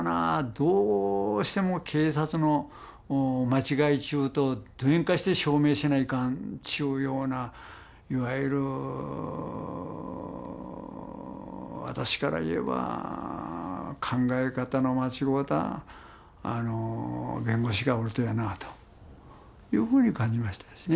どうしても警察の間違いっちゅうとどげんかして証明せないかんっちゅうようないわゆる私からいえば考え方の間違うた弁護士がおるとやなというふうに感じましたですね。